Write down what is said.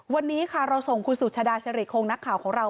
วันนี้ค่ะเราส่งคุณสุชาดาสิริคงนักข่าวของเรา